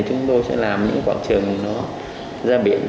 chúng tôi sẽ làm những quảng trường nó ra biển